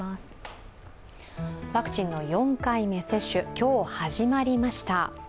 ワクチンの４回目接種今日始まりました。